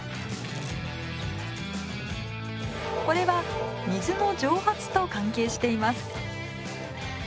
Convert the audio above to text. これは水の蒸発と関係しています